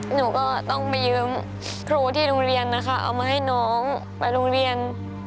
หนูก็ต้องไปยืมครูที่โรงเรียนนะคะเอามาให้น้องไปโรงเรียน